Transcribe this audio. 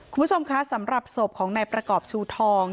คุณผู้ชมคะสำหรับศพของนายประกอบชูทอง